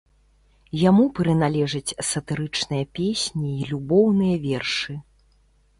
Яму прыналежаць сатырычныя песні і любоўныя вершы.